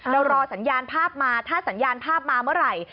รอสัญญาณภาพมาถ้าสัญญาณภาพมาเมื่อไหร่